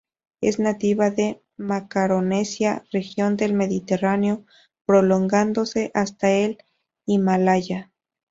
Es nativa de Macaronesia, región del mediterráneo, prolongándose hasta el Himalaya.